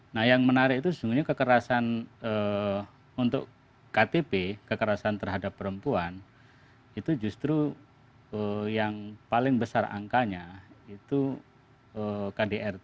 nah yang menarik itu sejujurnya kekerasan untuk ktp kekerasan terhadap perempuan itu justru yang paling besar angkanya itu kdrt